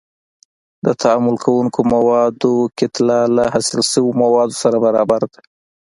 د تعامل کوونکو موادو کتله له حاصل شویو موادو سره برابره ده.